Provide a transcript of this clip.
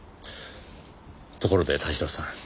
ところで田代さん。